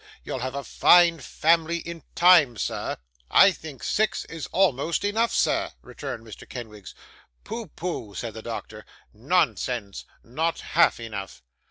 You'll have a fine family in time, sir.' 'I think six is almost enough, sir,' returned Mr. Kenwigs. 'Pooh! pooh!' said the doctor. 'Nonsense! not half enough.